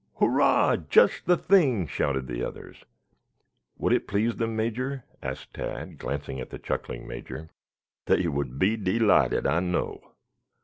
"Hurrah! Just the thing," shouted the others. "Would it please them, Major?" asked Tad, glancing at the chuckling Major. "They would be delighted, I know."